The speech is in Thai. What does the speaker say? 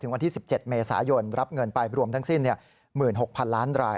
วันที่๑๗เมษายนรับเงินไปรวมทั้งสิ้น๑๖๐๐๐ล้านราย